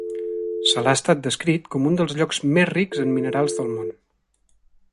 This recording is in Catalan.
Se l'ha estat descrit com un dels llocs més rics en minerals del món.